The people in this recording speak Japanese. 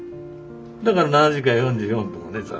だから７時間４４分もね